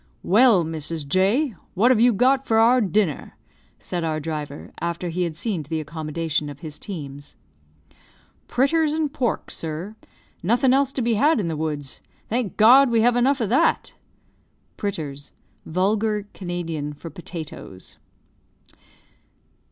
"Well, Mrs. J , what have you got for our dinner?" said our driver, after he had seen to the accommodation of his teams. "Pritters and pork, sir. Nothing else to be had in the woods. Thank God, we have enough of that!" Vulgar Canadian for potatoes.